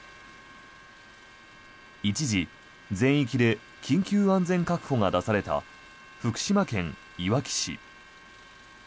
一時、全域で緊急安全確保が出された福島県いわき市。